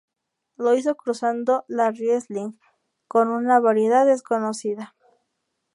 Lo hizo cruzando la riesling con una variedad desconocida.